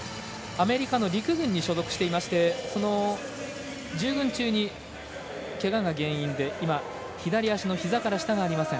アメリカの陸軍に所属していましてその従軍中にけがが原因で今、左足のひざから下がありません。